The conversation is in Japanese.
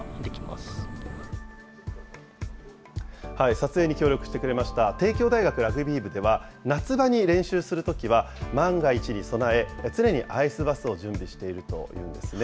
撮影に協力してくれました帝京大学ラグビー部では、夏場に練習するときは、万が一に備え、常にアイスバスを準備しているというんですね。